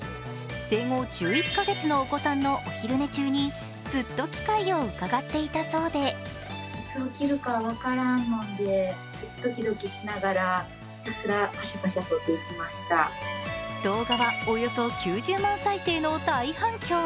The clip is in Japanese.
生後１１か月のお子さんのお昼寝中にずっと機会をうかがっていたそうで動画はおよそ９０万再生の大反響。